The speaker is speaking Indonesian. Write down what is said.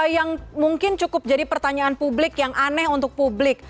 yang mungkin cukup jadi pertanyaan publik yang aneh untuk publik